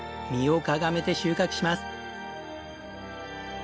身をかがめて収穫します。